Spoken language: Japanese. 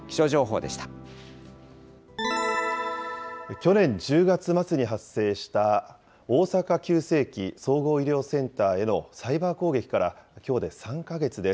去年１０月末に発生した、大阪急性期・総合医療センターへのサイバー攻撃から、きょうで３か月です。